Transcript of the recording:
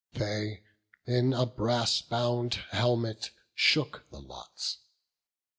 They in a brass bound helmet shook the lots.